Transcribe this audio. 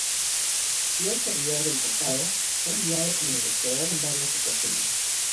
Fiel servidor del Papado, fue enviado como negociador en varias ocasiones.